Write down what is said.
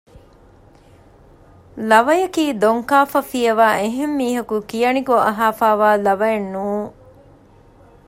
ލަވަޔަކީ ދޮންކާފަ ފިޔަވައި އެހެން މީހަކު ކިޔަނިކޮށް އަހައިފައިވާ ލަވައެއް ނޫން